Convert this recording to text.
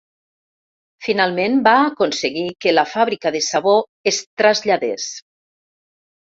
Finalment va aconseguir que la fàbrica de sabó es traslladés.